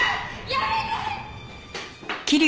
やめて！